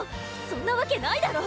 そんなわけないだろ！